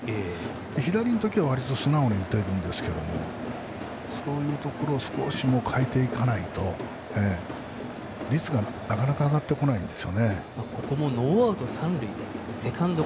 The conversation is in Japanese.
左のときは素直に打てるんですけどそういうところも変えていかないと率がなかなか上がってこないんです。